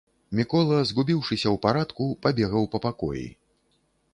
Мікола, згубіўшыся ў парадку, пабегаў па пакоі.